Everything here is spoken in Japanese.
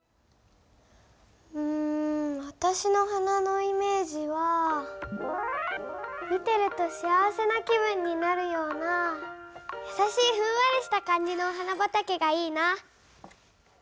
うん私の花のイメージは見てると幸せな気分になるようなやさしいふんわりした感じのお花畑がいいな。